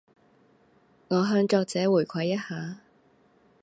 我向作者回饋一下